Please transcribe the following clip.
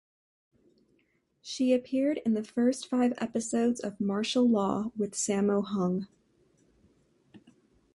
She appeared in the first five episodes of "Martial Law" with Sammo Hung.